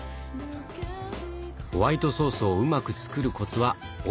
ホワイトソースをうまく作るコツは温度なんですね。